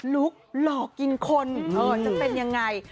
ลุกหลอกกินคนจะเป็นยังไง